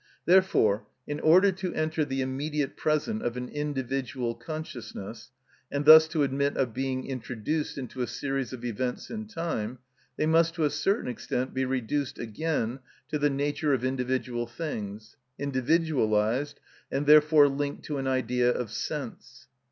Therefore in order to enter the immediate present of an individual consciousness, and thus to admit of being introduced into a series of events in time, they must to a certain extent be reduced again to the nature of individual things, individualised, and therefore linked to an idea of sense.